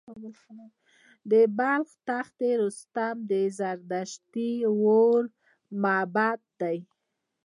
د بلخ تخت رستم د زردشتي اور معبد دی